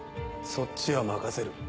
そっちは任せる。